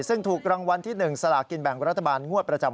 ซึ่งถูกรางวัลที่๑สลากินแบ่งรัฐบาลงวดประจำ